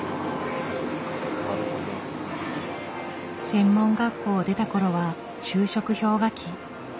専門学校を出たころは就職氷河期。